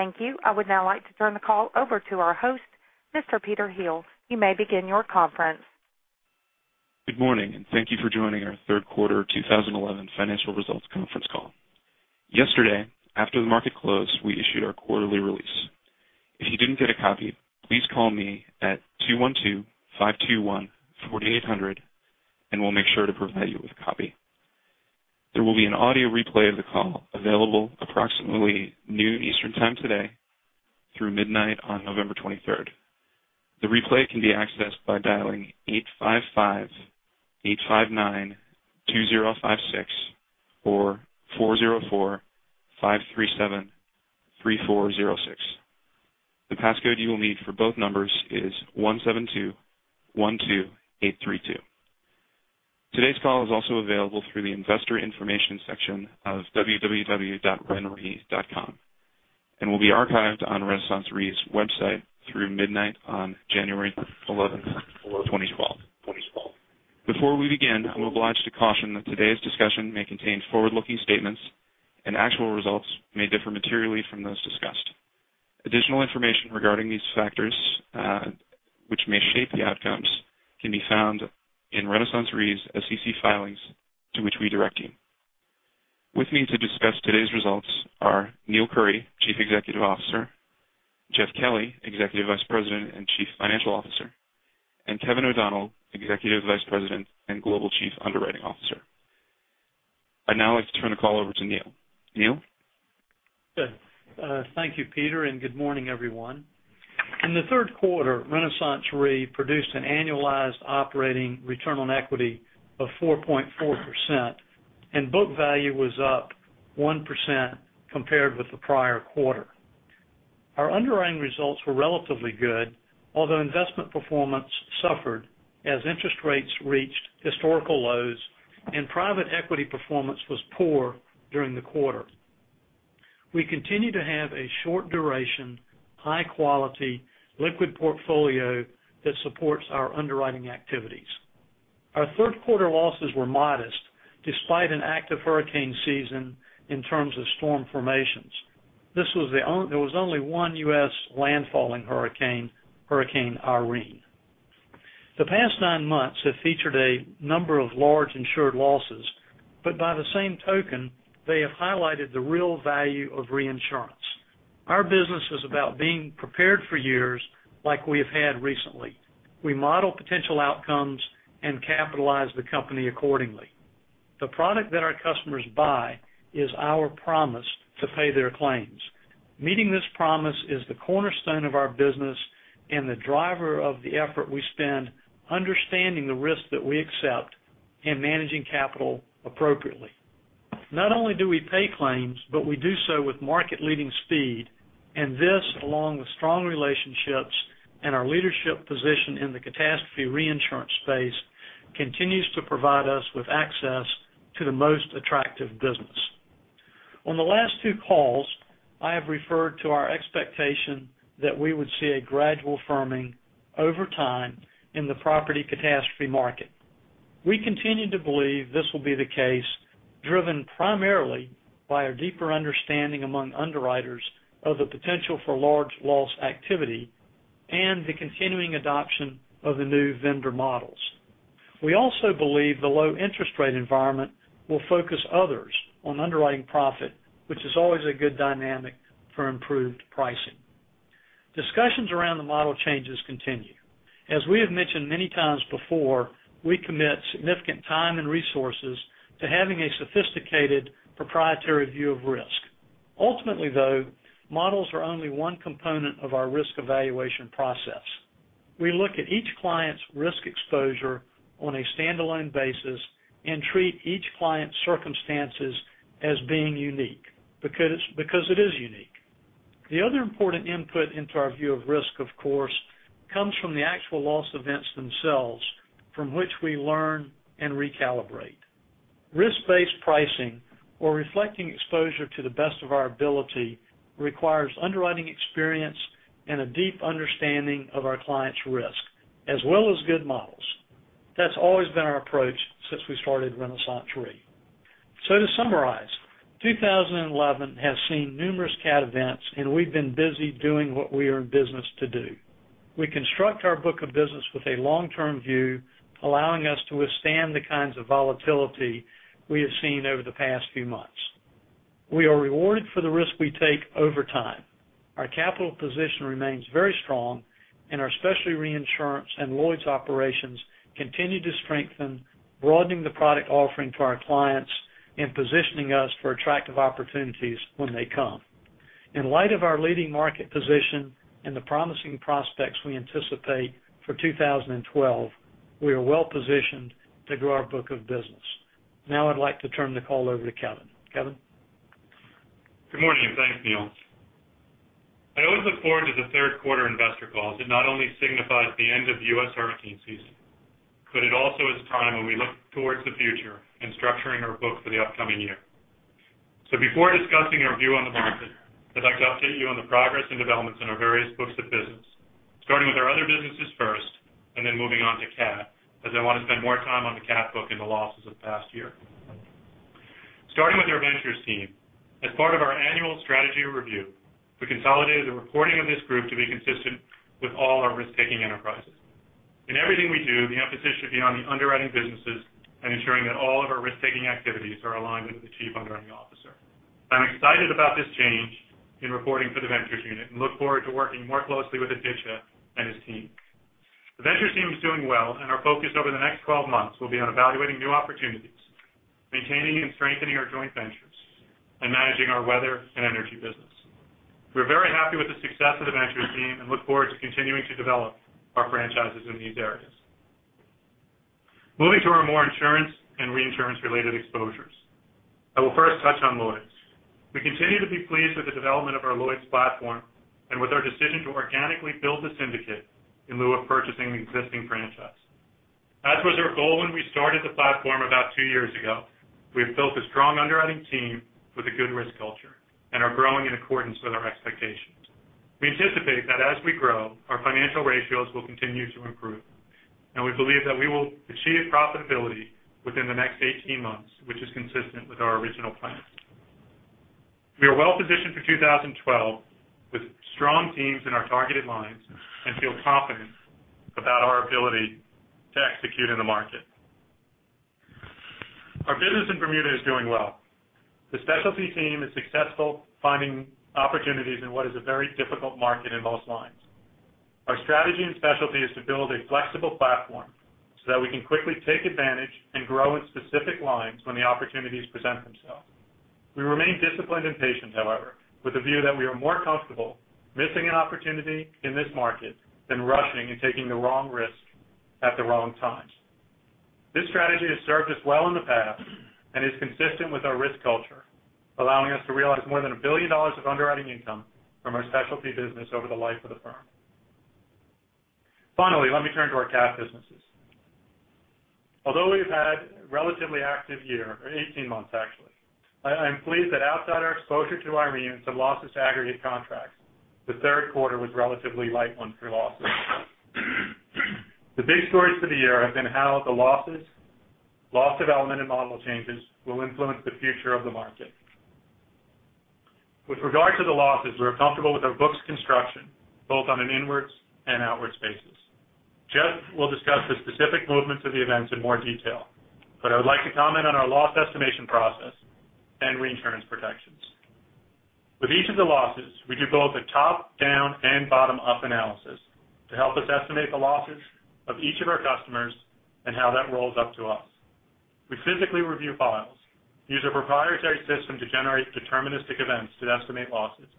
Thank you. I would now like to turn the call over to our host, Mr. Peter Hill. You may begin your conference. Good morning, and thank you for joining our third quarter 2011 financial results conference call. Yesterday, after the market closed, we issued our quarterly release. If you didn't get a copy, please call me at 212-521-4800, and we'll make sure to provide you with a copy. There will be an audio replay of the call available approximately noon Eastern Time today through midnight on November 23rd. The replay can be accessed by dialing 855-859-2056 or 404-537-3406. The passcode you will need for both numbers is 17212832. Today's call is also available through the investor information section of www.renre.com and will be archived on RenaissanceRe's website through midnight on January 11th, 2012. Before we begin, I'm obliged to caution that today's discussion may contain forward-looking statements and actual results may differ materially from those discussed. Additional information regarding these factors which may shape the outcomes can be found in RenaissanceRe's SEC filings to which we direct you. With me to discuss today's results are Neill Currie, Chief Executive Officer, Jeff Kelly, Executive Vice President and Chief Financial Officer, and Kevin O'Donnell, Executive Vice President and Global Chief Underwriting Officer. I'd now like to turn the call over to Neill. Neill? Good. Thank you, Peter, and good morning, everyone. In the third quarter, RenaissanceRe produced an annualized operating return on equity of 4.4%, and book value was up 1% compared with the prior quarter. Our underwriting results were relatively good, although investment performance suffered as interest rates reached historical lows and private equity performance was poor during the quarter. We continue to have a short duration, high quality, liquid portfolio that supports our underwriting activities. Our third quarter losses were modest despite an active hurricane season in terms of storm formations. There was only one U.S. landfalling hurricane, Hurricane Irene. The past nine months have featured a number of large insured losses, but by the same token, they have highlighted the real value of reinsurance. Our business is about being prepared for years like we have had recently. We model potential outcomes and capitalize the company accordingly. The product that our customers buy is our promise to pay their claims. Meeting this promise is the cornerstone of our business and the driver of the effort we spend understanding the risk that we accept and managing capital appropriately. Not only do we pay claims, but we do so with market leading speed, and this, along with strong relationships and our leadership position in the catastrophe reinsurance space, continues to provide us with access to the most attractive business. On the last two calls, I have referred to our expectation that we would see a gradual firming over time in the property catastrophe market. We continue to believe this will be the case, driven primarily by a deeper understanding among underwriters of the potential for large loss activity and the continuing adoption of the new vendor models. We also believe the low interest rate environment will focus others on underwriting profit, which is always a good dynamic for improved pricing. Discussions around the model changes continue. As we have mentioned many times before, we commit significant time and resources to having a sophisticated proprietary view of risk. Ultimately, though, models are only one component of our risk evaluation process. We look at each client's risk exposure on a standalone basis and treat each client's circumstances as being unique because it is unique. The other important input into our view of risk, of course, comes from the actual loss events themselves, from which we learn and recalibrate. Risk-based pricing or reflecting exposure to the best of our ability requires underwriting experience and a deep understanding of our clients' risk, as well as good models. That's always been our approach since we started RenaissanceRe. To summarize, 2011 has seen numerous cat events, and we've been busy doing what we are in business to do. We construct our book of business with a long-term view, allowing us to withstand the kinds of volatility we have seen over the past few months. We are rewarded for the risk we take over time. Our capital position remains very strong and our specialty reinsurance and Lloyd's operations continue to strengthen, broadening the product offering to our clients and positioning us for attractive opportunities when they come. In light of our leading market position and the promising prospects we anticipate for 2012, we are well-positioned to grow our book of business. Now I'd like to turn the call over to Kevin. Kevin? Good morning, and thanks, Neill. I always look forward to the third quarter investor calls. It not only signifies the end of the U.S. hurricane season, but it also is time when we look towards the future in structuring our book for the upcoming year. Before discussing our view on the market, I'd like to update you on the progress and developments in our various books of business, starting with our other businesses. Moving on to cat, as I want to spend more time on the cat book and the losses of the past year. Starting with our Ventures team. As part of our annual strategy review, we consolidated the reporting of this group to be consistent with all our risk-taking enterprises. In everything we do, the emphasis should be on the underwriting businesses and ensuring that all of our risk-taking activities are aligned with the chief underwriting officer. I'm excited about this change in reporting for the ventures unit and look forward to working more closely with Aditya and his team. The ventures team is doing well, and our focus over the next 12 months will be on evaluating new opportunities, maintaining and strengthening our joint ventures, and managing our weather and energy business. We're very happy with the success of the ventures team and look forward to continuing to develop our franchises in these areas. Moving to our more insurance and reinsurance-related exposures. I will first touch on Lloyd's. We continue to be pleased with the development of our Lloyd's platform and with our decision to organically build the syndicate in lieu of purchasing an existing franchise. As was our goal when we started the platform about two years ago, we have built a strong underwriting team with a good risk culture and are growing in accordance with our expectations. We anticipate that as we grow, our financial ratios will continue to improve, and we believe that we will achieve profitability within the next 18 months, which is consistent with our original plans. We are well-positioned for 2012 with strong teams in our targeted lines and feel confident about our ability to execute in the market. Our business in Bermuda is doing well. The specialty team is successful finding opportunities in what is a very difficult market in most lines. Our strategy in specialty is to build a flexible platform so that we can quickly take advantage and grow in specific lines when the opportunities present themselves. We remain disciplined and patient, however, with the view that we are more comfortable missing an opportunity in this market than rushing and taking the wrong risk at the wrong times. This strategy has served us well in the past and is consistent with our risk culture, allowing us to realize more than $1 billion of underwriting income from our specialty business over the life of the firm. Finally, let me turn to our cat businesses. Although we've had a relatively active year, or 18 months actually, I am pleased that outside our exposure to Irene and some losses aggregate contracts, the third quarter was a relatively light one for losses. The big stories for the year have been how the losses, loss development, and model changes will influence the future of the market. With regard to the losses, we're comfortable with our book's construction, both on an inwards and outwards basis. Jeff will discuss the specific movements of the events in more detail, but I would like to comment on our loss estimation process and reinsurance protections. With each of the losses, we do both a top-down and bottom-up analysis to help us estimate the losses of each of our customers and how that rolls up to us. We physically review files, use a proprietary system to generate deterministic events to estimate losses,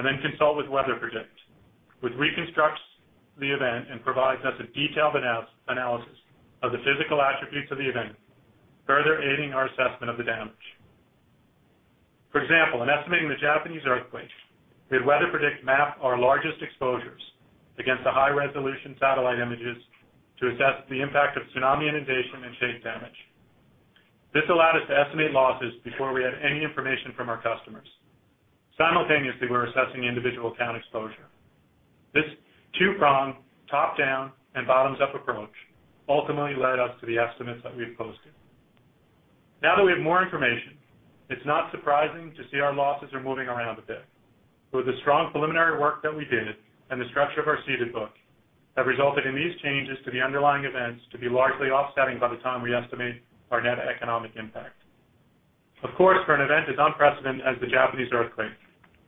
and then consult with WeatherPredict, which reconstructs the event and provides us a detailed analysis of the physical attributes of the event, further aiding our assessment of the damage. For example, in estimating the Japanese earthquake, did WeatherPredict map our largest exposures against the high-resolution satellite images to assess the impact of tsunami inundation and shake damage? This allowed us to estimate losses before we had any information from our customers. Simultaneously, we're assessing individual town exposure. This two-pronged top-down and bottoms-up approach ultimately led us to the estimates that we've posted. Now that we have more information, it's not surprising to see our losses are moving around a bit. With the strong preliminary work that we did and the structure of our ceded book have resulted in these changes to the underlying events to be largely offsetting by the time we estimate our net economic impact. Of course, for an event as unprecedented as the Japanese earthquake,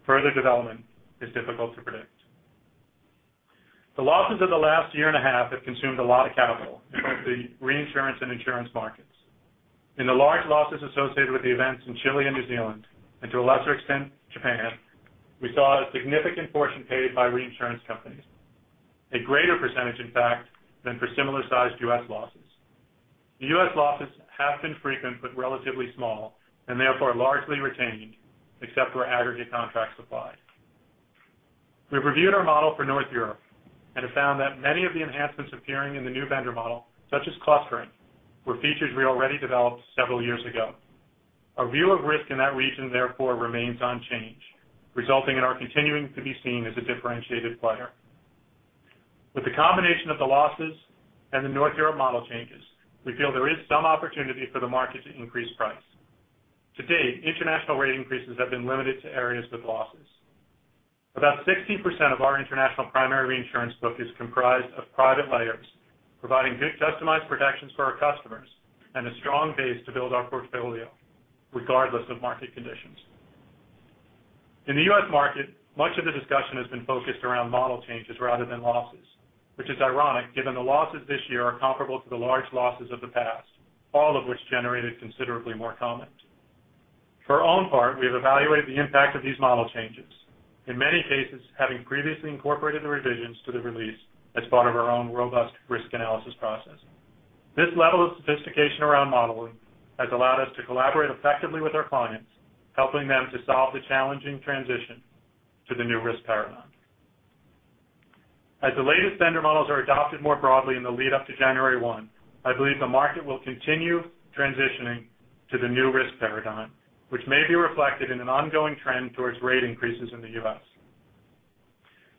further development is difficult to predict. The losses of the last year and a half have consumed a lot of capital in both the reinsurance and insurance markets. In the large losses associated with the events in Chile and New Zealand, and to a lesser extent, Japan, we saw a significant portion paid by reinsurance companies. A greater percentage, in fact, than for similar-sized U.S. losses. The U.S. losses have been frequent but relatively small, and therefore largely retained, except where aggregate contracts apply. We've reviewed our model for Northern Europe and have found that many of the enhancements appearing in the new vendor model, such as clustering, were features we already developed several years ago. Our view of risk in that region, therefore, remains unchanged, resulting in our continuing to be seen as a differentiated player. With the combination of the losses and the Northern Europe model changes, we feel there is some opportunity for the market to increase price. To date, international rate increases have been limited to areas with losses. About 16% of our international primary reinsurance book is comprised of private layers, providing good customized protections for our customers and a strong base to build our portfolio regardless of market conditions. In the U.S. market, much of the discussion has been focused around model changes rather than losses, which is ironic given the losses this year are comparable to the large losses of the past, all of which generated considerably more comment. For our own part, we have evaluated the impact of these model changes, in many cases, having previously incorporated the revisions to the release as part of our own robust risk analysis process. This level of sophistication around modeling has allowed us to collaborate effectively with our clients, helping them to solve the challenging transition to the new risk paradigm. As the latest vendor models are adopted more broadly in the lead up to January 1, I believe the market will continue transitioning to the new risk paradigm, which may be reflected in an ongoing trend towards rate increases in the U.S.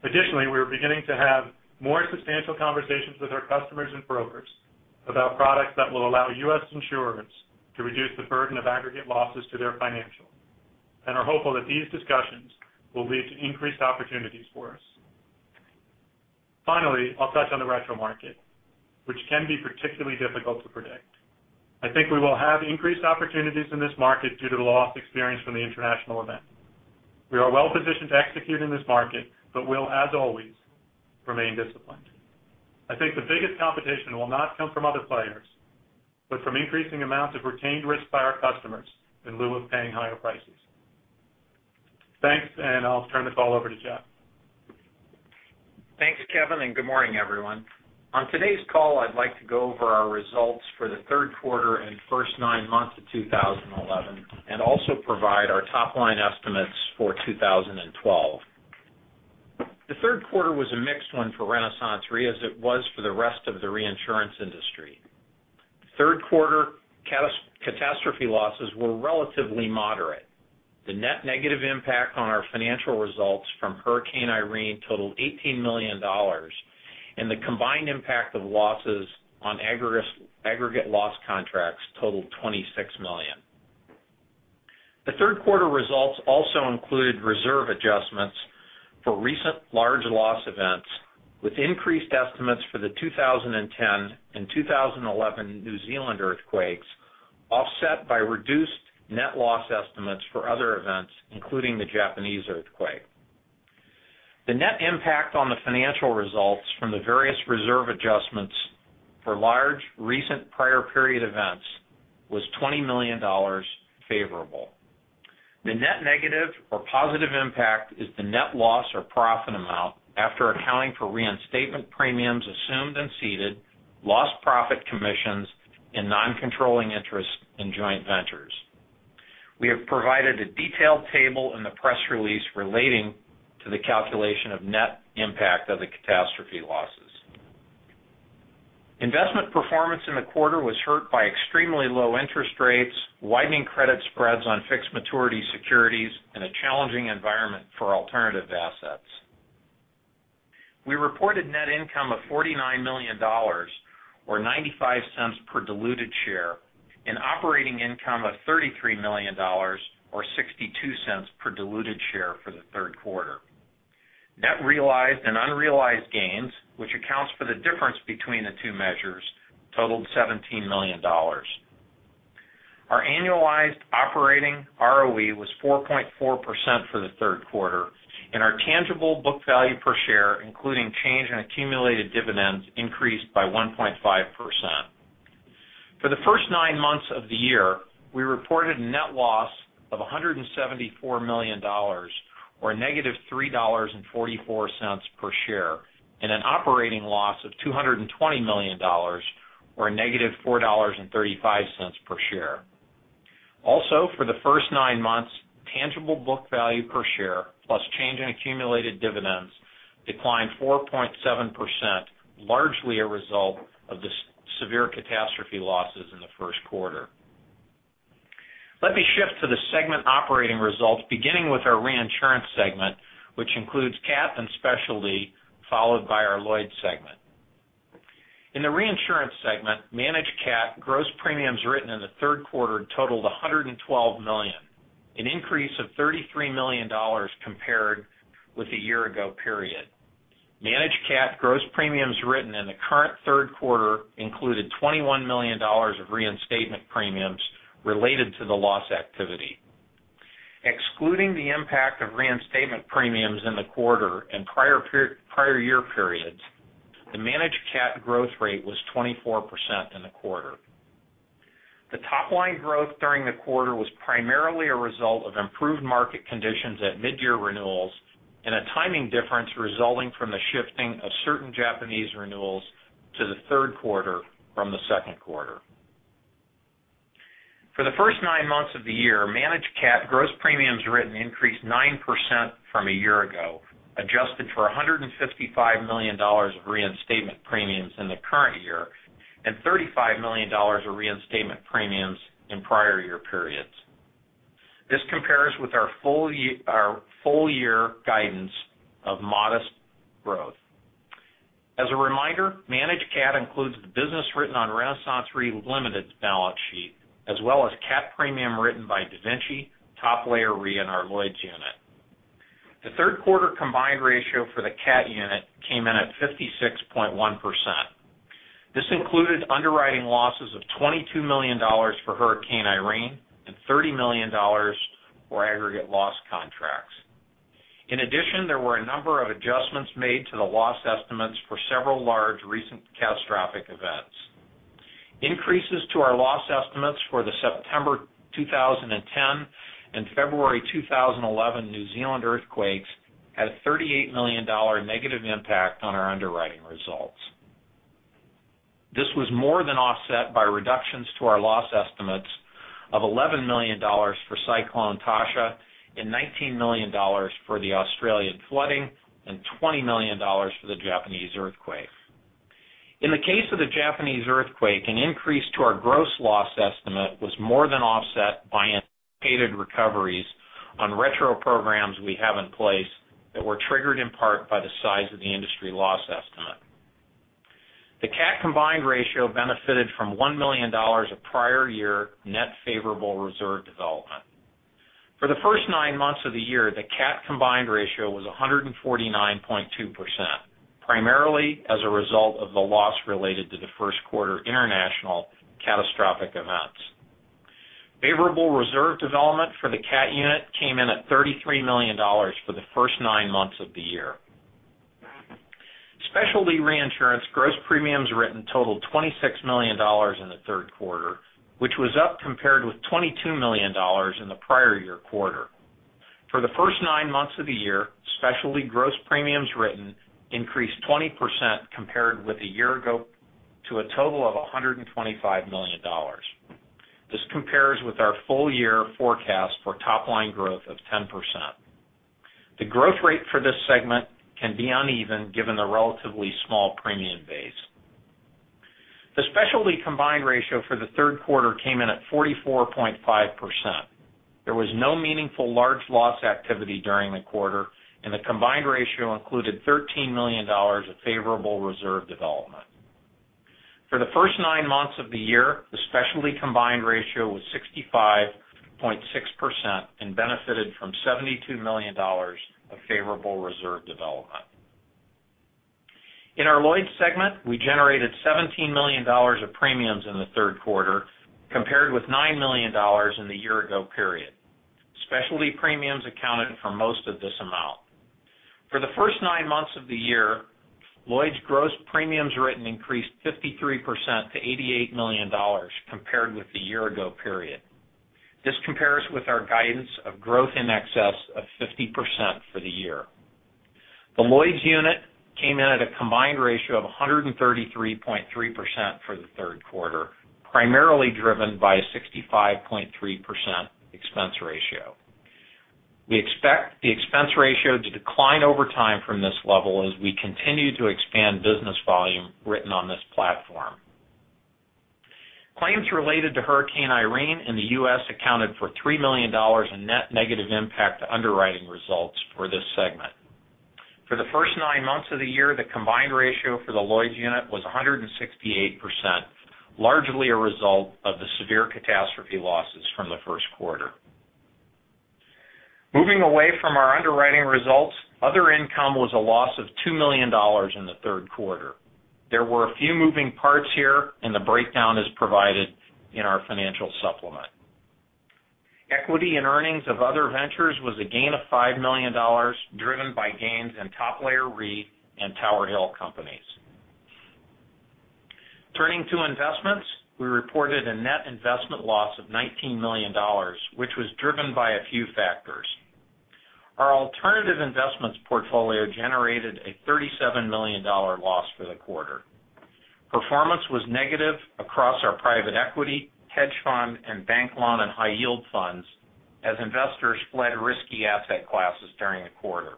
Additionally, we are beginning to have more substantial conversations with our customers and brokers about products that will allow U.S. insurers to reduce the burden of aggregate losses to their financials and are hopeful that these discussions will lead to increased opportunities for us. Finally, I'll touch on the retro market, which can be particularly difficult to predict. I think we will have increased opportunities in this market due to the loss experience from the international event. We are well-positioned to execute in this market, but will, as always, remain disciplined. I think the biggest competition will not come from other players, but from increasing amounts of retained risk by our customers in lieu of paying higher prices. Thanks, I'll turn the call over to Jeff. Thanks, Kevin, good morning, everyone. On today's call, I'd like to go over our results for the third quarter and first nine months of 2011, also provide our top-line estimates for 2012. The third quarter was a mixed one for RenaissanceRe as it was for the rest of the reinsurance industry. Third quarter catastrophe losses were relatively moderate. The net negative impact on our financial results from Hurricane Irene totaled $18 million, the combined impact of losses on aggregate loss contracts totaled $26 million. The third quarter results also included reserve adjustments for recent large loss events with increased estimates for the 2010 and 2011 New Zealand earthquakes, offset by reduced net loss estimates for other events, including the Japanese earthquake. The net impact on the financial results from the various reserve adjustments for large recent prior period events was $20 million favorable. The net negative or positive impact is the net loss or profit amount after accounting for reinstatement premiums assumed and ceded, lost profit commissions, and non-controlling interest in joint ventures. We have provided a detailed table in the press release relating to the calculation of net impact of the catastrophe losses. Investment performance in the quarter was hurt by extremely low interest rates, widening credit spreads on fixed maturity securities, and a challenging environment for alternative assets. We reported net income of $49 million, or $0.95 per diluted share. Operating income of $33 million, or $0.62 per diluted share for the third quarter. Net realized and unrealized gains, which accounts for the difference between the two measures, totaled $17 million. Our annualized operating ROE was 4.4% for the third quarter. Our tangible book value per share, including change in accumulated dividends, increased by 1.5%. For the first nine months of the year, we reported net loss of $174 million, or negative $3.44 per share. Operating loss of $220 million, or negative $4.35 per share. For the first nine months, tangible book value per share plus change in accumulated dividends declined 4.7%, largely a result of the severe catastrophe losses in the first quarter. Let me shift to the segment operating results, beginning with our reinsurance segment, which includes cat and specialty, followed by our Lloyd's segment. In the reinsurance segment, managed cat gross premiums written in the third quarter totaled $112 million, an increase of $33 million compared with the year ago period. Managed cat gross premiums written in the current third quarter included $21 million of reinstatement premiums related to the loss activity. Excluding the impact of reinstatement premiums in the quarter and prior year periods, the managed cat growth rate was 24% in the quarter. The top-line growth during the quarter was primarily a result of improved market conditions at mid-year renewals and a timing difference resulting from the shifting of certain Japanese renewals to the third quarter from the second quarter. For the first nine months of the year, managed cat gross premiums written increased 9% from a year ago, adjusted for $155 million of reinstatement premiums in the current year and $35 million of reinstatement premiums in prior year periods. This compares with our full-year guidance of modest growth. As a reminder, managed cat includes the business written on RenaissanceRe Limited's balance sheet, as well as cat premium written by DaVinci Reinsurance, Top Layer Reinsurance, and our Lloyd's unit. The third quarter combined ratio for the cat unit came in at 56.1%. This included underwriting losses of $22 million for Hurricane Irene and $30 million for aggregate loss contracts. In addition, there were a number of adjustments made to the loss estimates for several large recent catastrophic events. Increases to our loss estimates for the September 2010 and February 2011 New Zealand earthquakes had a $38 million negative impact on our underwriting results. This was more than offset by reductions to our loss estimates of $11 million for Cyclone Tasha and $19 million for the Australian flooding and $20 million for the Japanese earthquake. In the case of the Japanese earthquake, an increase to our gross loss estimate was more than offset by anticipated recoveries on retro programs we have in place that were triggered in part by the size of the industry loss estimate. The cat combined ratio benefited from $1 million of prior year net favorable reserve development. For the first nine months of the year, the cat combined ratio was 149.2%, primarily as a result of the loss related to the first quarter international catastrophic events. Favorable reserve development for the cat unit came in at $33 million for the first nine months of the year. Specialty reinsurance gross premiums written totaled $26 million in the third quarter, which was up compared with $22 million in the prior year quarter. For the first nine months of the year, specialty gross premiums written increased 20% compared with a year ago to a total of $125 million. This compares with our full year forecast for top-line growth of 10%. The growth rate for this segment can be uneven given the relatively small premium base. The specialty combined ratio for the third quarter came in at 44.5%. There was no meaningful large loss activity during the quarter, and the combined ratio included $13 million of favorable reserve development. For the first nine months of the year, the specialty combined ratio was 65.6% and benefited from $72 million of favorable reserve development. In our Lloyd's segment, we generated $17 million of premiums in the third quarter, compared with $9 million in the year ago period. Specialty premiums accounted for most of this amount. For the first nine months of the year, Lloyd's gross premiums written increased 53% to $88 million compared with the year ago period. This compares with our guidance of growth in excess of 50% for the year. The Lloyd's unit came in at a combined ratio of 133.3% for the third quarter, primarily driven by a 65.3% expense ratio. We expect the expense ratio to decline over time from this level as we continue to expand business volume written on this platform. Claims related to Hurricane Irene in the U.S. accounted for $3 million in net negative impact to underwriting results for this segment. For the first nine months of the year, the combined ratio for the Lloyd's unit was 168%, largely a result of the severe catastrophe losses from the first quarter. Moving away from our underwriting results, other income was a loss of $2 million in the third quarter. There were a few moving parts here, and the breakdown is provided in our financial supplement. Equity and earnings of other ventures was a gain of $5 million, driven by gains in Top Layer Re and Tower Hill Companies. Turning to investments, we reported a net investment loss of $19 million, which was driven by a few factors. Our alternative investments portfolio generated a $37 million loss for the quarter. Performance was negative across our private equity, hedge fund, and bank loan and high yield funds as investors fled risky asset classes during the quarter.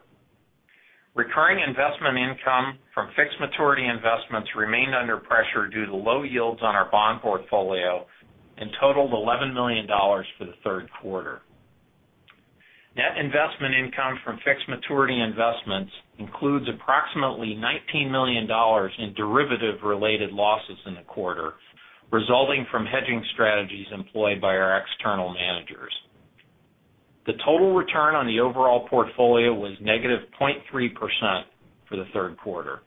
Recurring investment income from fixed maturity investments remained under pressure due to low yields on our bond portfolio and totaled $11 million for the third quarter. Net investment income from fixed maturity investments includes approximately $19 million in derivative-related losses in the quarter, resulting from hedging strategies employed by our external managers. The total return on the overall portfolio was negative 0.3% for the third quarter.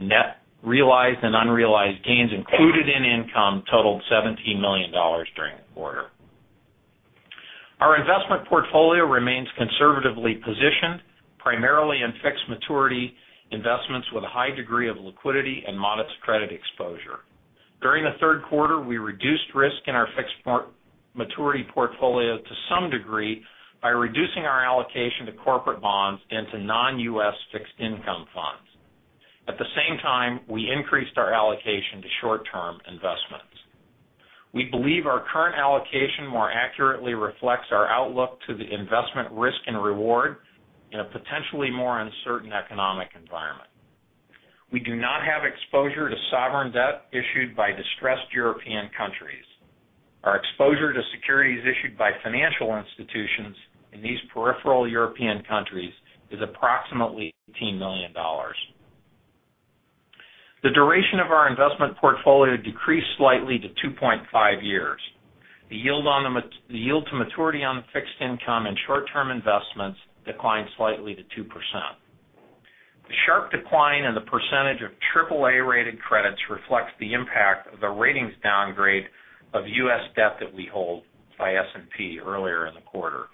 Net realized and unrealized gains included in income totaled $17 million during the quarter. Our investment portfolio remains conservatively positioned, primarily in fixed maturity investments with a high degree of liquidity and modest credit exposure. During the third quarter, we reduced risk in our fixed maturity portfolio to some degree by reducing our allocation to corporate bonds and to non-U.S. fixed income funds. At the same time, we increased our allocation to short-term investments. We believe our current allocation more accurately reflects our outlook to the investment risk and reward in a potentially more uncertain economic environment. We do not have exposure to sovereign debt issued by distressed European countries. Our exposure to securities issued by financial institutions in these peripheral European countries is approximately $18 million. The duration of our investment portfolio decreased slightly to 2.5 years. The yield to maturity on fixed income and short-term investments declined slightly to 2%. The sharp decline in the percentage of AAA-rated credits reflects the impact of the ratings downgrade of U.S. debt that we hold by S&P earlier in the quarter.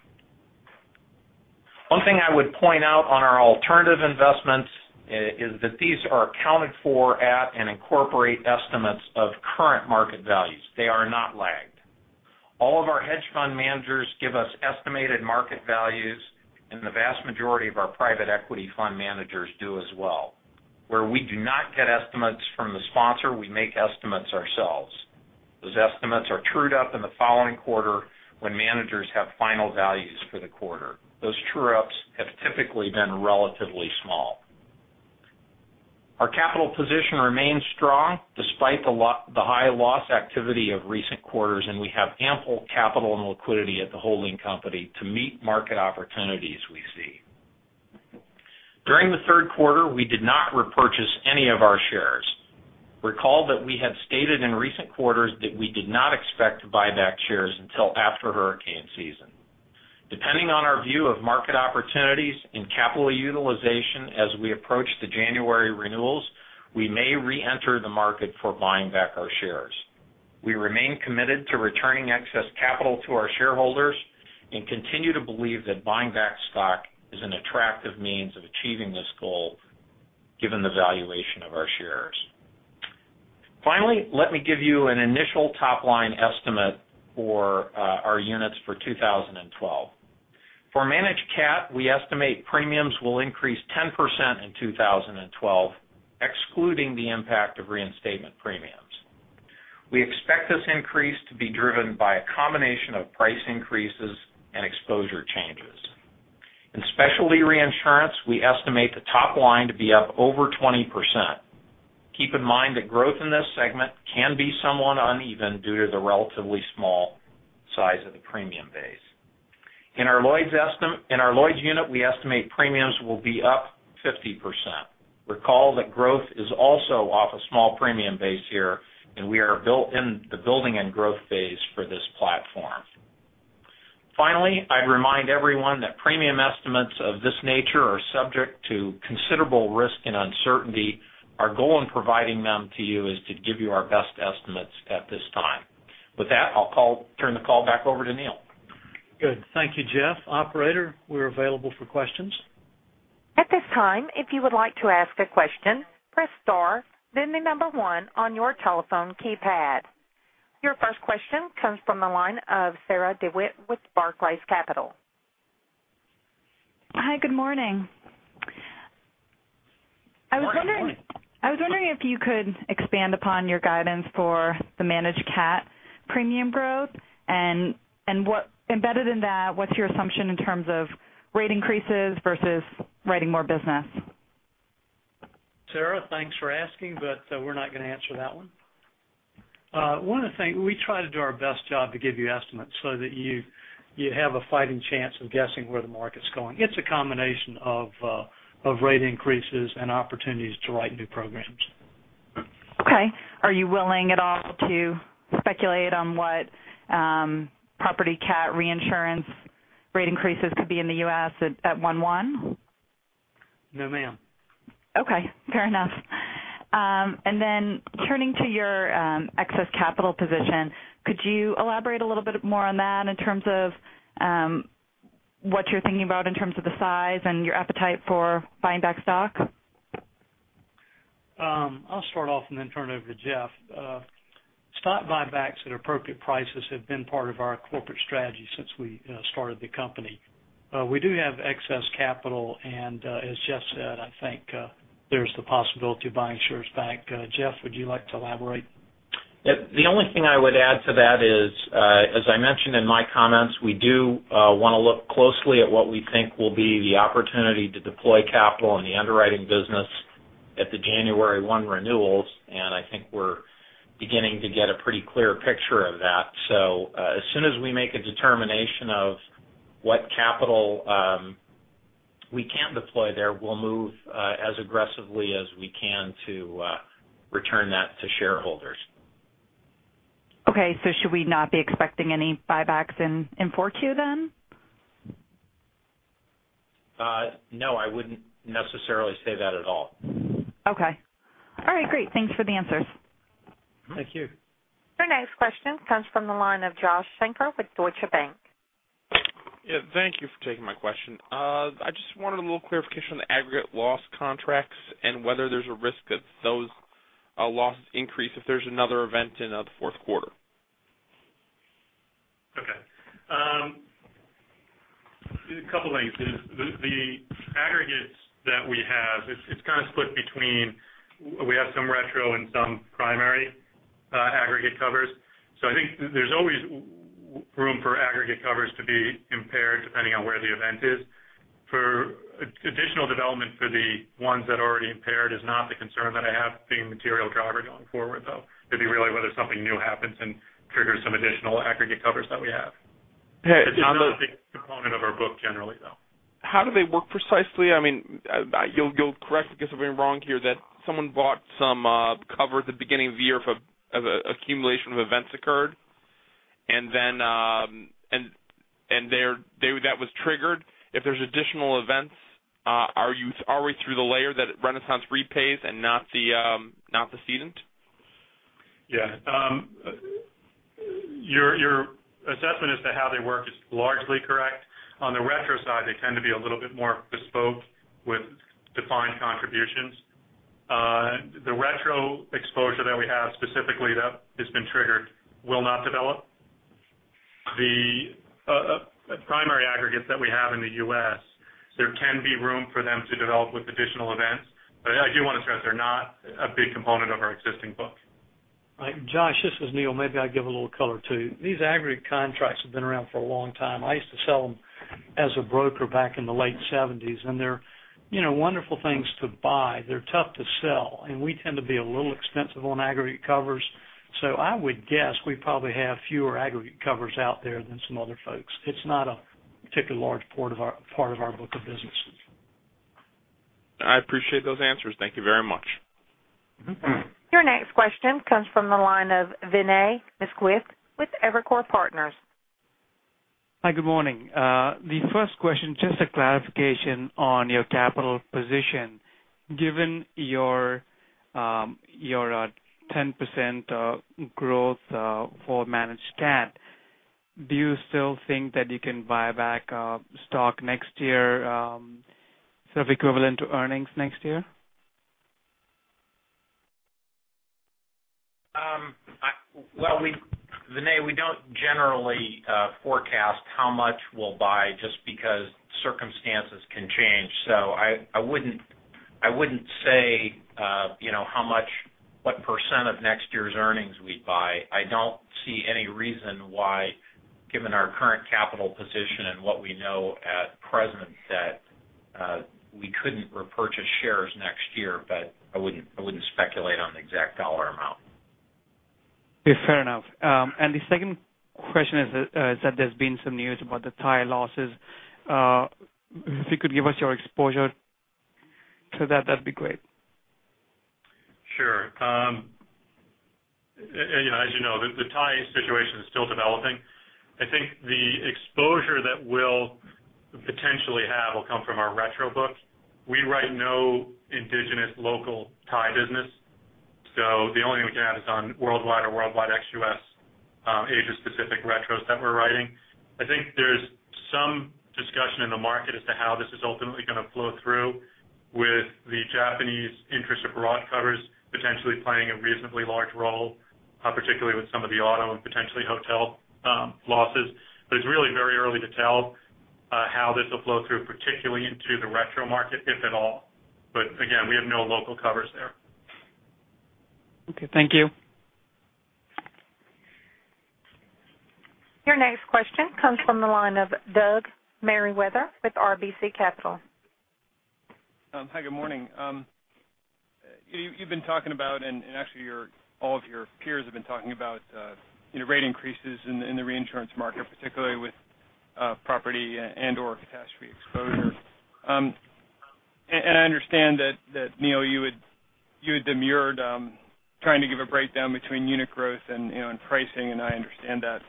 One thing I would point out on our alternative investments is that these are accounted for at and incorporate estimates of current market values. They are not lagged. All of our hedge fund managers give us estimated market values, and the vast majority of our private equity fund managers do as well. Where we do not get estimates from the sponsor, we make estimates ourselves. Those estimates are trued up in the following quarter when managers have final values for the quarter. Those true-ups have typically been relatively small. Our capital position remains strong despite the high loss activity of recent quarters, and we have ample capital and liquidity at the holding company to meet market opportunities we see. During the third quarter, we did not repurchase any of our shares. Recall that we had stated in recent quarters that we did not expect to buy back shares until after hurricane season. Depending on our view of market opportunities and capital utilization as we approach the January renewals, we may reenter the market for buying back our shares. We remain committed to returning excess capital to our shareholders and continue to believe that buying back stock is an attractive means of achieving this goal given the valuation of our shares. Finally, let me give you an initial top-line estimate for our units for 2012. For Managed Cat, we estimate premiums will increase 10% in 2012, excluding the impact of reinstatement premiums. We expect this increase to be driven by a combination of price increases and exposure changes. In specialty reinsurance, we estimate the top line to be up over 20%. Keep in mind that growth in this segment can be somewhat uneven due to the relatively small size of the premium base. In our Lloyd's unit, we estimate premiums will be up 50%. Recall that growth is also off a small premium base here, and we are in the building and growth phase for this platform. Finally, I'd remind everyone that premium estimates of this nature are subject to considerable risk and uncertainty. Our goal in providing them to you is to give you our best estimates at this time. With that, I'll turn the call back over to Neill. Good. Thank you, Jeff. Operator, we're available for questions. At this time, if you would like to ask a question, press star then the number one on your telephone keypad. Your first question comes from the line of Sarah DeWitt with Barclays Capital. Hi, good morning. Morning. I was wondering if you could expand upon your guidance for the Managed Cat premium growth and embedded in that, what's your assumption in terms of rate increases versus writing more business? Sarah, thanks for asking, we're not going to answer that one. One of the things, we try to do our best job to give you estimates so that you have a fighting chance of guessing where the market's going. It's a combination of rate increases and opportunities to write new programs. Okay. Are you willing at all to speculate on what property catastrophe reinsurance rate increases could be in the U.S. at one one? No, ma'am. Okay, fair enough. Turning to your excess capital position, could you elaborate a little bit more on that in terms of what you're thinking about in terms of the size and your appetite for buying back stock? I'll start off and then turn it over to Jeff. Stock buybacks at appropriate prices have been part of our corporate strategy since we started the company. We do have excess capital and as Jeff said, I think there's the possibility of buying shares back. Jeff, would you like to elaborate? The only thing I would add to that is as I mentioned in my comments, we do want to look closely at what we think will be the opportunity to deploy capital in the underwriting business at the January one renewals. I think we're beginning to get a pretty clear picture of that. As soon as we make a determination of what capital we can deploy there, we'll move as aggressively as we can to return that to shareholders. Okay. Should we not be expecting any buybacks in 4Q then? No, I wouldn't necessarily say that at all. Okay. All right, great. Thanks for the answers. Thank you. Your next question comes from the line of Joshua Shanker with Deutsche Bank. Yeah, thank you for taking my question. I just wanted a little clarification on the aggregate loss contracts and whether there's a risk that those losses increase if there's another event in the fourth quarter. Okay. A couple of things. The aggregates that we have, it's kind of split between, we have some retrocession and some primary aggregate covers. I think there's always room for aggregate covers to be impaired depending on where the event is. For additional development for the ones that are already impaired is not the concern that I have being a material driver going forward, though. It'd be really whether something new happens and triggers some additional aggregate covers that we have. Yeah. It's not a big component of our book generally, though. How do they work precisely? You'll correct me if I guess something wrong here, that someone bought some cover at the beginning of the year of an accumulation of events occurred, and that was triggered. If there's additional events, are we through the layer that RenaissanceRe pays and not the cedent? Yeah. Your assessment as to how they work is largely correct. On the retrocession side, they tend to be a little bit more bespoke with defined contributions. The retrocession exposure that we have specifically that has been triggered will not develop. Aggregates that we have in the U.S., there can be room for them to develop with additional events. I do want to stress they're not a big component of our existing book. Right. Josh, this is Neill. Maybe I'll give a little color, too. These aggregate contracts have been around for a long time. I used to sell them as a broker back in the late 1970s, and they're wonderful things to buy. They're tough to sell, and we tend to be a little expensive on aggregate covers. I would guess we probably have fewer aggregate covers out there than some other folks. It's not a particularly large part of our book of business. I appreciate those answers. Thank you very much. Your next question comes from the line of Vinay Misquith with Evercore Partners. Hi, good morning. The first question, just a clarification on your capital position. Given your 10% growth for managed catastrophe, do you still think that you can buy back stock next year, sort of equivalent to earnings next year? Vinay, we don't generally forecast how much we'll buy just because circumstances can change. I wouldn't say what percent of next year's earnings we'd buy. I don't see any reason why, given our current capital position and what we know at present, that we couldn't repurchase shares next year. I wouldn't speculate on the exact dollar amount. Fair enough. The second question is that there's been some news about the Thai losses. If you could give us your exposure to that'd be great. Sure. As you know, the Thai situation is still developing. I think the exposure that we'll potentially have will come from our retrocession book. We write no indigenous local Thai business, so the only thing we can have is on worldwide or worldwide ex-U.S., Asia-specific retros that we're writing. I think there's some discussion in the market as to how this is ultimately going to flow through with the Japanese interest or broad covers potentially playing a reasonably large role, particularly with some of the auto and potentially hotel losses. It's really very early to tell how this will flow through, particularly into the retrocession market, if at all. Again, we have no local covers there. Okay, thank you. Your next question comes from the line of Doug Merriwether with RBC Capital. Hi, good morning. You've been talking about, and actually all of your peers have been talking about rate increases in the reinsurance market, particularly with property and/or catastrophe exposure. I understand that, Neill, you had demurred trying to give a breakdown between unit growth and pricing, and I understand that.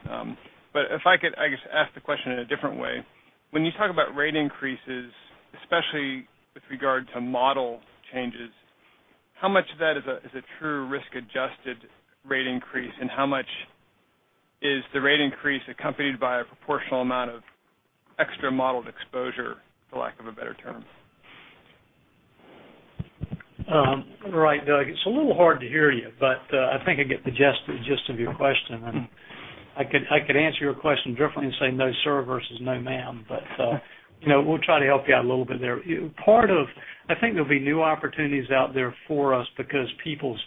If I could, I guess, ask the question in a different way. When you talk about rate increases, especially with regard to model changes, how much of that is a true risk-adjusted rate increase, and how much is the rate increase accompanied by a proportional amount of extra modeled exposure, for lack of a better term? Right. Douglas, it's a little hard to hear you, I think I get the gist of your question, I could answer your question differently and say no, sir, versus no, ma'am. We'll try to help you out a little bit there. I think there'll be new opportunities out there for us because people,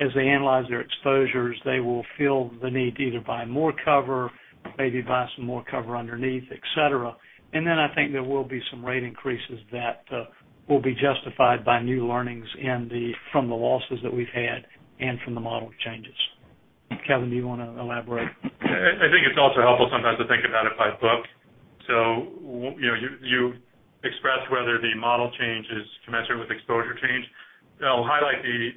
as they analyze their exposures, they will feel the need to either buy more cover, maybe buy some more cover underneath, et cetera. I think there will be some rate increases that will be justified by new learnings from the losses that we've had and from the model changes. Kevin, do you want to elaborate? I think it's also helpful sometimes to think about it by book. You express whether the model change is commensurate with exposure change. I'll highlight the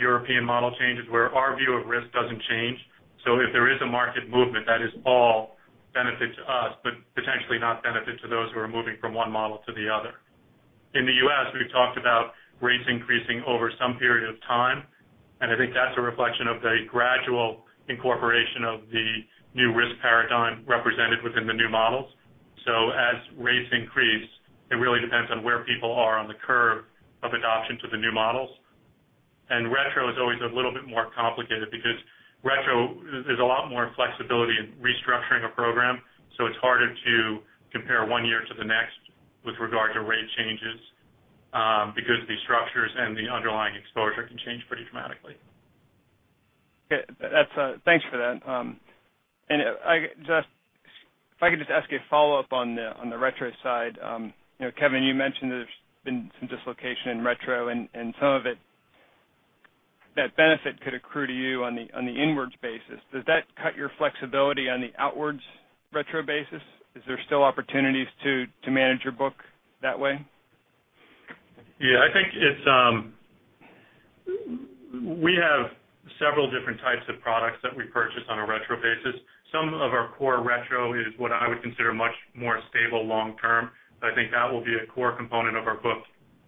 European model changes where our view of risk doesn't change. If there is a market movement, that is all benefit to us, potentially not benefit to those who are moving from one model to the other. In the U.S., we've talked about rates increasing over some period of time, I think that's a reflection of the gradual incorporation of the new risk paradigm represented within the new models. As rates increase, it really depends on where people are on the curve of adoption to the new models. Retrocession is always a little bit more complicated because retrocession, there's a lot more flexibility in restructuring a program. It's harder to compare one year to the next with regard to rate changes because the structures and the underlying exposure can change pretty dramatically. Okay. Thanks for that. If I could just ask you a follow-up on the retrocession side. Kevin, you mentioned there's been some dislocation in retrocession and some of it, that benefit could accrue to you on the inwards basis. Does that cut your flexibility on the outwards retrocession basis? Is there still opportunities to manage your book that way? Yeah, we have several different types of products that we purchase on a retrocession basis. Some of our core retrocession is what I would consider much more stable long term. I think that will be a core component of our book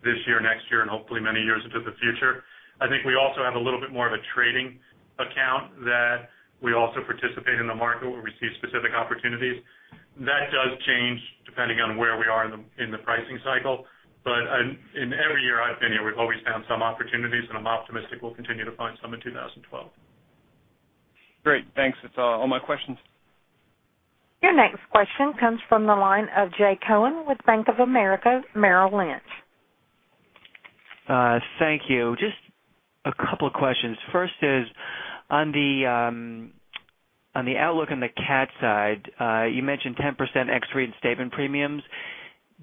this year, next year, and hopefully many years into the future. I think we also have a little bit more of a trading account that we also participate in the market where we see specific opportunities. That does change depending on where we are in the pricing cycle. In every year I've been here, we've always found some opportunities, and I'm optimistic we'll continue to find some in 2012. Great. Thanks. That's all my questions. Your next question comes from the line of Jay Cohen with Bank of America Merrill Lynch. Thank you. Just a couple of questions. First is on the outlook on the catastrophe side, you mentioned 10% ex-reinstatement premiums.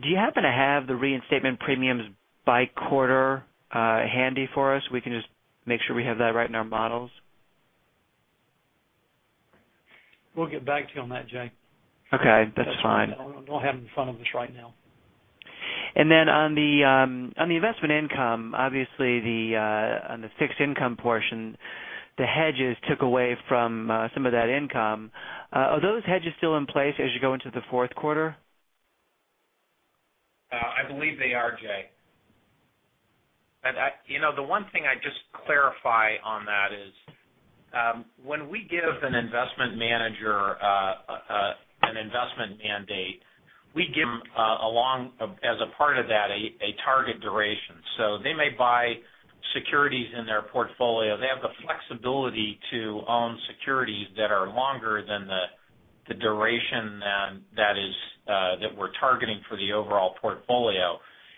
Do you happen to have the reinstatement premiums by quarter handy for us? We can just make sure we have that right in our models. We'll get back to you on that, Jay. Okay, that's fine. I don't have it in front of us right now. On the investment income, obviously on the fixed income portion, the hedges took away from some of that income. Are those hedges still in place as you go into the fourth quarter? I believe they are, Jay. The one thing I'd just clarify on that is when we give an investment manager an investment mandate, we give them as a part of that a target duration. They may buy securities in their portfolio. They have the flexibility to own securities that are longer than the duration that we're targeting for the overall portfolio.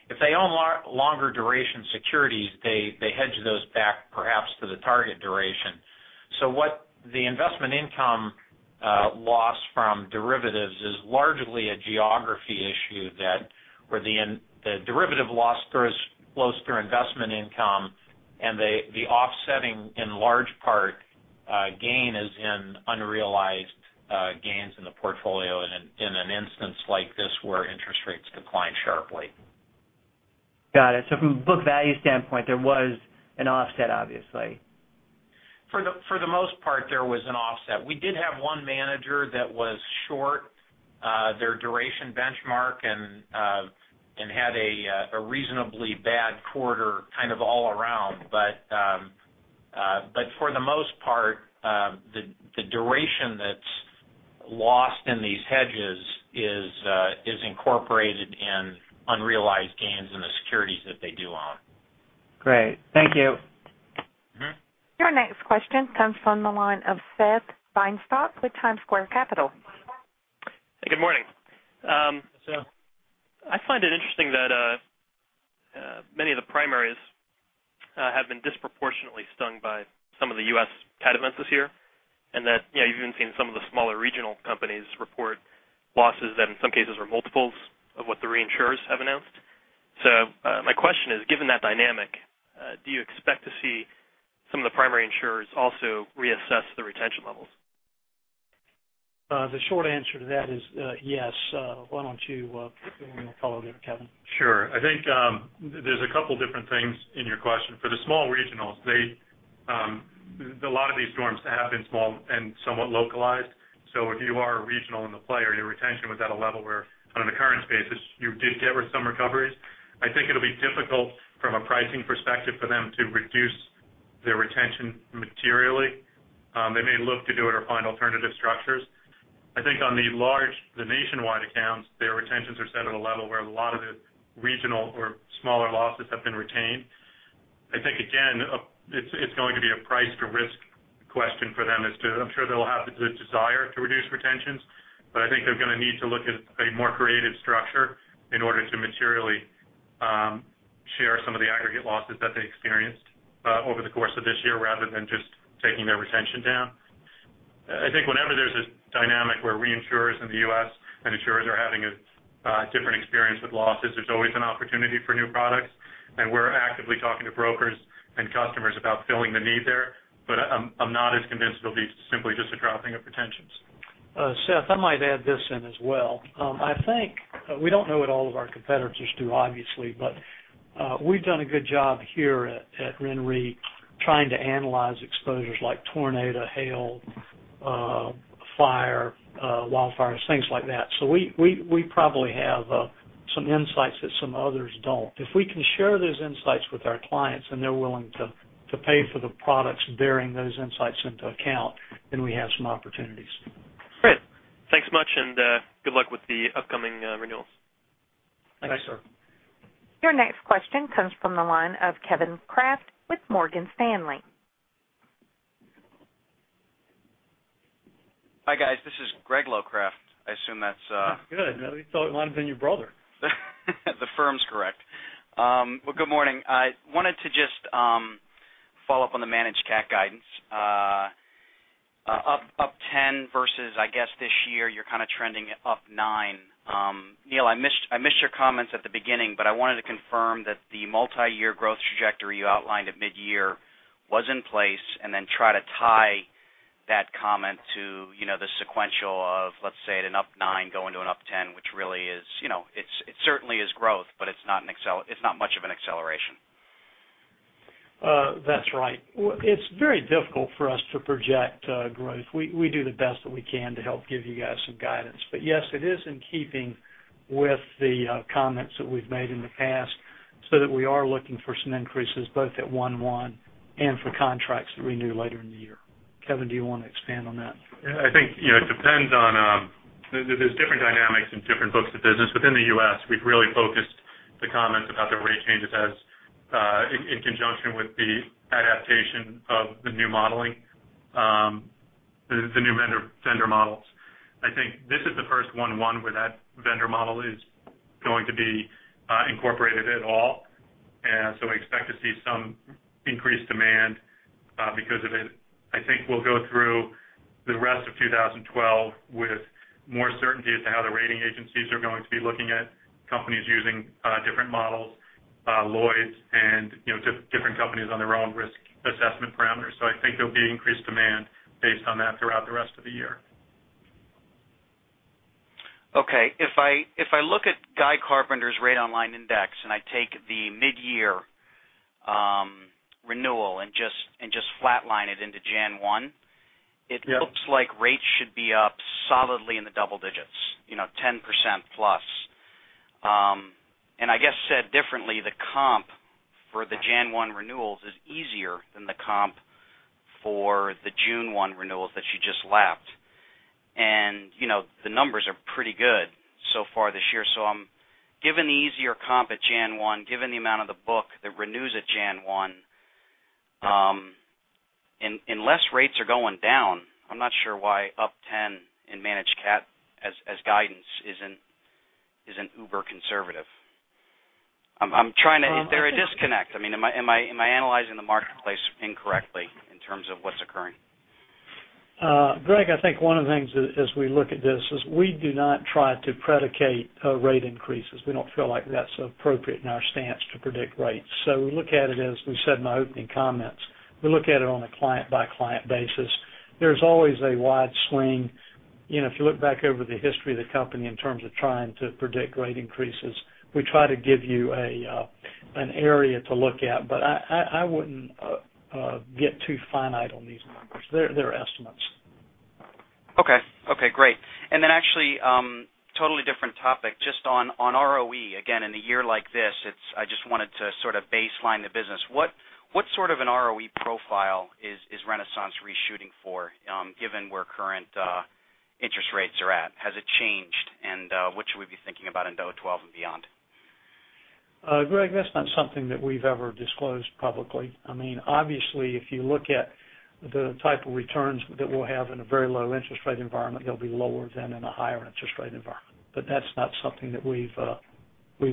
If they own longer duration securities, they hedge those back perhaps to the target duration. What the investment income loss from derivatives is largely a geography issue where the derivative loss flows through investment income, and the offsetting, in large part, gain is in unrealized gains in the portfolio in an instance like this where interest rates decline sharply. Got it. From a book value standpoint, there was an offset, obviously. For the most part, there was an offset. We did have one manager that was short their duration benchmark and had a reasonably bad quarter kind of all around. For the most part, the duration that's lost in these hedges is incorporated in unrealized gains in the securities that they do own. Great. Thank you. Your next question comes from the line of Seth Feinstock with TimesSquare Capital Management. Hey, good morning. Seth. I find it interesting that many of the primaries have been disproportionately stung by some of the U.S. catastrophe events this year, that you've even seen some of the smaller regional companies report losses that in some cases are multiples of what the reinsurers have announced. My question is, given that dynamic, do you expect to see some of the primary insurers also reassess the retention levels? The short answer to that is yes. Why don't you follow there, Kevin? Sure. I think there's a couple different things in your question. For the small regionals, a lot of these storms have been small and somewhat localized. If you are a regional in the play or your retention was at a level where on an occurrence basis you did get some recoveries, I think it'll be difficult from a pricing perspective for them to reduce their retention materially. They may look to do it or find alternative structures. I think on the large, the nationwide accounts, their retentions are set at a level where a lot of the regional or smaller losses have been retained. I think, again, it's going to be a price to risk question for them as to I'm sure they'll have the desire to reduce retentions, but I think they're going to need to look at a more creative structure in order to materially share some of the aggregate losses that they experienced over the course of this year, rather than just taking their retention down. I think whenever there's a dynamic where reinsurers in the U.S. and insurers are having a different experience with losses, there's always an opportunity for new products, we're actively talking to brokers and customers about filling the need there. I'm not as convinced it'll be simply just a dropping of retentions. Seth, I might add this in as well. I think we don't know what all of our competitors do, obviously, but we've done a good job here at RenRe trying to analyze exposures like tornado, hail, fire, wildfires, things like that. We probably have some insights that some others don't. If we can share those insights with our clients and they're willing to pay for the products bearing those insights into account, we have some opportunities. Great. Thanks much. Good luck with the upcoming renewals. Thanks. Thanks, sir. Your next question comes from the line of Kevin Kraft with Morgan Stanley. Hi, guys. This is Gregory Locraft. Good. I thought it might've been your brother. The firm's correct. Well, good morning. I wanted to just follow up on the managed catastrophe guidance. Up 10 versus, I guess this year you're kind of trending up nine. Neill, I missed your comments at the beginning, but I wanted to confirm that the multi-year growth trajectory you outlined at mid-year was in place, and then try to tie that comment to the sequential of, let's say, at an up nine going to an up 10, which really it certainly is growth, but it's not much of an acceleration. That's right. It's very difficult for us to project growth. We do the best that we can to help give you guys some guidance. Yes, it is in keeping with the comments that we've made in the past so that we are looking for some increases both at one-one and for contracts that renew later in the year. Kevin, do you want to expand on that? I think it depends on there's different dynamics in different books of business. Within the U.S., we've really focused the comments about the rate changes as In conjunction with the adaptation of the new modeling, the new vendor models. I think this is the first 1/1 where that vendor model is going to be incorporated at all. We expect to see some increased demand because of it. I think we'll go through the rest of 2012 with more certainty as to how the rating agencies are going to be looking at companies using different models, Lloyd's and different companies on their own risk assessment parameters. I think there'll be increased demand based on that throughout the rest of the year. Okay. If I look at Guy Carpenter's Rate-on-Line Index, I take the mid-year renewal and just flatline it into Jan 1. Yeah It looks like rates should be up solidly in the double digits, 10%+. I guess said differently, the comp for the Jan 1 renewals is easier than the comp for the June 1 renewals that you just lapped. The numbers are pretty good so far this year. Given the easier comp at Jan 1, given the amount of the book that renews at Jan 1, unless rates are going down, I'm not sure why up 10% in managed cat as guidance isn't uber conservative? Is there a disconnect? Am I analyzing the marketplace incorrectly in terms of what's occurring? Greg, I think one of the things as we look at this is we do not try to predicate rate increases. We don't feel like that's appropriate in our stance to predict rates. We look at it, as we said in my opening comments, we look at it on a client-by-client basis. There's always a wide swing. If you look back over the history of the company in terms of trying to predict rate increases, we try to give you an area to look at. I wouldn't get too finite on these numbers. They're estimates. Okay. Great. Actually, totally different topic, just on ROE. Again, in a year like this, I just wanted to sort of baseline the business. What sort of an ROE profile is RenaissanceRe shooting for given where current interest rates are at? Has it changed? What should we be thinking about in 2012 and beyond? Greg, that's not something that we've ever disclosed publicly. Obviously, if you look at the type of returns that we'll have in a very low interest rate environment, they'll be lower than in a higher interest rate environment. That's not something that we've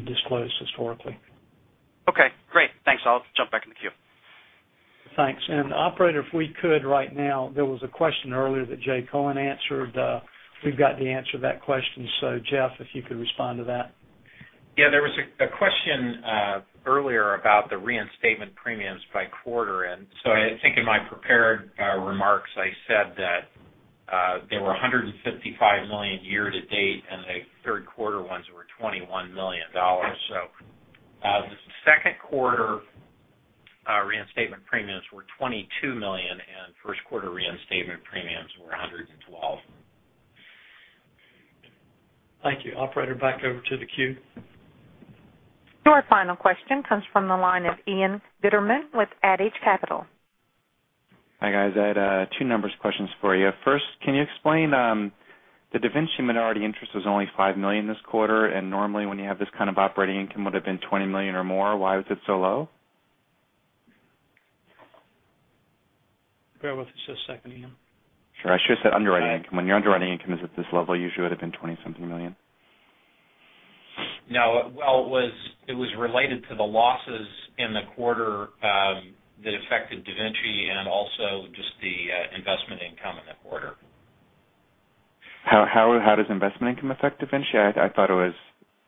disclosed historically. Okay, great. Thanks. I'll jump back in the queue. Thanks. Operator, if we could right now, there was a question earlier that Jay Cohen answered. We've got the answer to that question. Jeff, if you could respond to that. Yeah, there was a question earlier about the reinstatement premiums by quarter. I think in my prepared remarks, I said that they were $155 million year to date, and the third quarter ones were $21 million. The second quarter reinstatement premiums were $22 million, and first quarter reinstatement premiums were $112 million. Thank you. Operator, back over to the queue. Your final question comes from the line of Ian Gutterman with Adage Capital Management. Hi, guys. I had two numbers questions for you. First, can you explain the DaVinci minority interest was only $5 million this quarter, and normally when you have this kind of operating income would've been $20 million or more. Why was it so low? Bear with us just a second, Ian. Sure. I should have said underwriting income. When your underwriting income is at this level, usually it would've been $20 something million. No. Well, it was related to the losses in the quarter that affected DaVinci and also just the investment income in the quarter. How does investment income affect DaVinci? I thought it was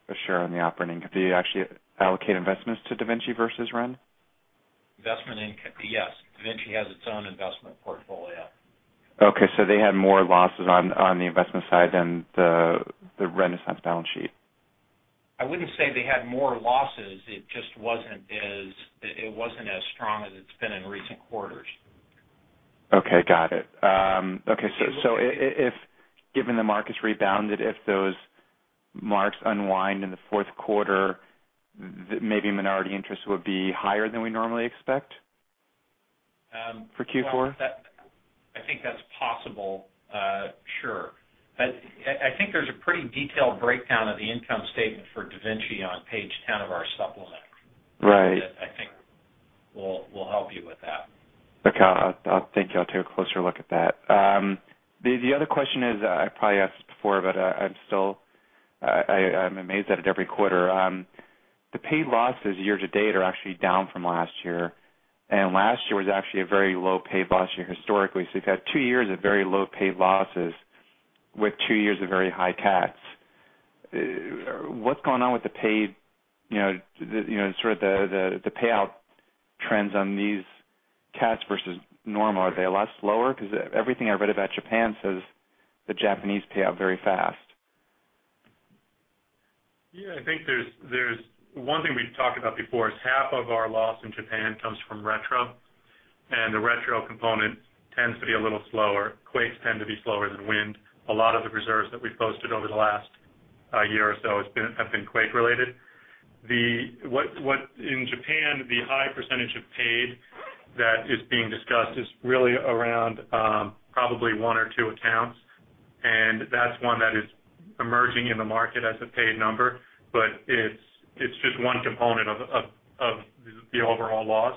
a share on the operating. Do you actually allocate investments to DaVinci versus Ren? Investment income. Yes. DaVinci has its own investment portfolio. Okay. They had more losses on the investment side than the Renaissance balance sheet? I wouldn't say they had more losses. It just wasn't as strong as it's been in recent quarters. Okay, got it. If given the market's rebounded, if those marks unwind in the fourth quarter, maybe minority interests would be higher than we normally expect for Q4? I think that's possible. Sure. I think there's a pretty detailed breakdown of the income statement for DaVinci on page 10 of our supplement. Right. That I think will help you with that. Okay. Thank you. I'll take a closer look at that. The other question is, I probably asked before, but I'm amazed at it every quarter. The paid losses year to date are actually down from last year, and last year was actually a very low paid loss year historically. You've had two years of very low paid losses with two years of very high CATs. What's going on with the paid, sort of the payout trends on these CATs versus normal? Are they a lot slower? Because everything I've read about Japan says the Japanese pay out very fast. Yeah, I think there's one thing we've talked about before is half of our loss in Japan comes from retrocession, and the retrocession component tends to be a little slower. Quakes tend to be slower than wind. A lot of the reserves that we've posted over the last year or so have been quake related. In Japan, the high percentage of That is being discussed is really around probably one or two accounts, and that's one that is emerging in the market as a paid number. It's just one component of the overall loss.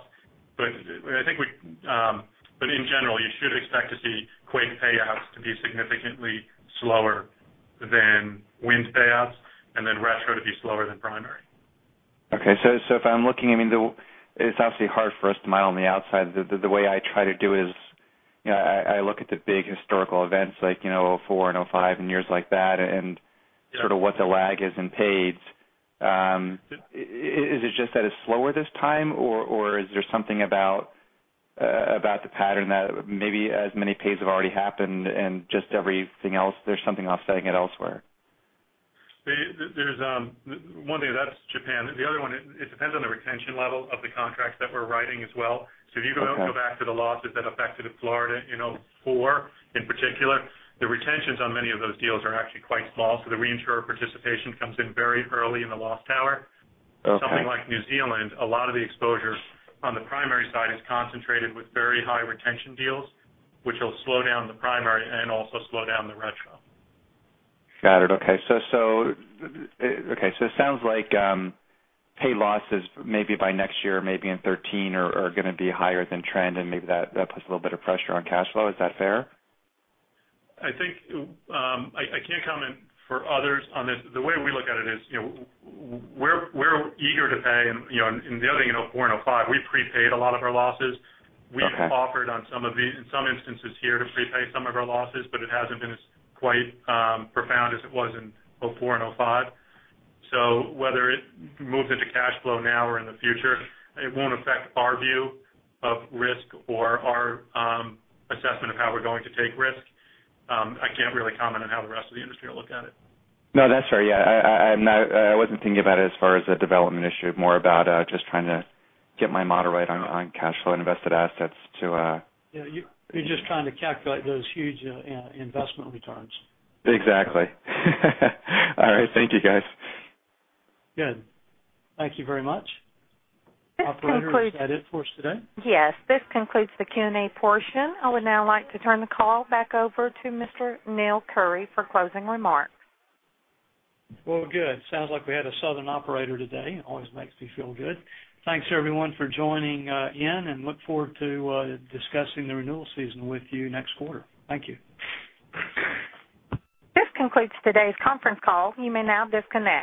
In general, you should expect to see quake payouts to be significantly slower than wind payouts and then retrocession to be slower than primary. Okay. It's obviously hard for us to model on the outside. The way I try to do is I look at the big historical events like 2004 and 2005 and years like that. Yeah Sort of what the lag is in paid. Is it just that it's slower this time, or is there something about the pattern that maybe as many pays have already happened and just everything else, there's something offsetting it elsewhere? One thing, that's Japan. The other one, it depends on the retention level of the contracts that we're writing as well. Okay. If you go back to the losses that affected Florida in 2004, in particular, the retentions on many of those deals are actually quite small, so the reinsurer participation comes in very early in the loss tower. Okay. Something like New Zealand, a lot of the exposure on the primary side is concentrated with very high retention deals, which will slow down the primary and also slow down the retrocession. Got it. Okay. It sounds like pay losses, maybe by next year, maybe in 2013, are going to be higher than trend, and maybe that puts a little bit of pressure on cash flow. Is that fair? I can't comment for others on this. The way we look at it is, we're eager to pay, and the other thing in 2004 and 2005, we prepaid a lot of our losses. Okay. We offered in some instances here to prepay some of our losses, it hasn't been as quite profound as it was in 2004 and 2005. Whether it moves into cash flow now or in the future, it won't affect our view of risk or our assessment of how we're going to take risk. I can't really comment on how the rest of the industry will look at it. No, that's fair. Yeah. I wasn't thinking about it as far as a development issue, more about just trying to get my model right on cash flow and invested assets to- You're just trying to calculate those huge investment returns. Exactly. All right. Thank you, guys. Good. Thank you very much. This concludes- Operator, is that it for us today? Yes, this concludes the Q&A portion. I would now like to turn the call back over to Mr. Neill Currie for closing remarks. Well, good. Sounds like we had a Southern operator today. Always makes me feel good. Thanks, everyone, for joining in, and look forward to discussing the renewal season with you next quarter. Thank you. This concludes today's conference call. You may now disconnect.